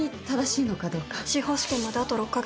司法試験まであと６か月。